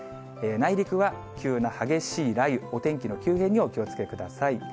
内陸は急な激しい雷雨、お天気の急変にお気をつけください。